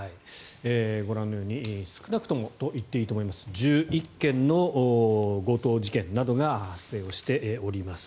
ご覧のように少なくともと言っていいと思いますが１１件の強盗事件などが発生をしております。